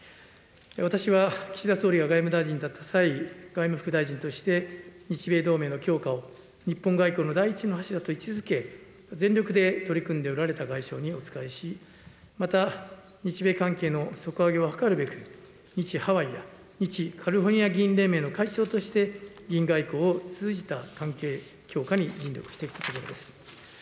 私は岸田総理が外務大臣だった際、外務副大臣として日米同盟の強化を日本外交の第一の柱と位置づけ、全力で取り組んでおられた外相にお仕えし、また日米関係の底上げを図るべく、日ハワイや日カリフォルニア議員連盟の会長として、議員外交を通じた関係強化に尽力してきたところです。